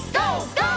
ＧＯ！